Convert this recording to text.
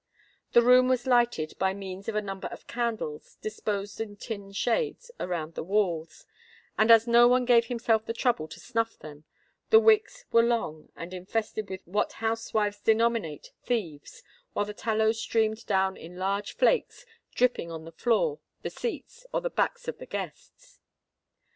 The room was lighted by means of a number of candles disposed in tin shades around the walls; and as no one gave himself the trouble to snuff them, the wicks were long, and infested with what housewives denominate "thieves," while the tallow streamed down in large flakes, dripping on the floor, the seats, or the backs of the guests.